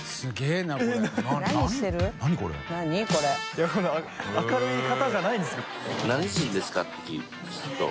いやこんな明るい方じゃないんですよ。